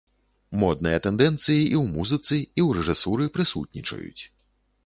Модныя тэндэнцыі і ў музыцы, і ў рэжысуры прысутнічаюць.